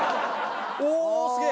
おおすげえ！